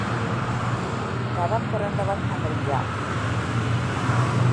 தடம்புரண்டவள் Ahalya.